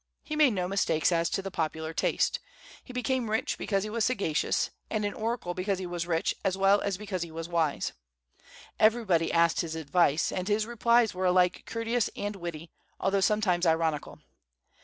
He made no mistakes as to the popular taste. He became rich because he was sagacious, and an oracle because he was rich as well as because he was wise. Everybody asked his advice, and his replies were alike courteous and witty, although sometimes ironical.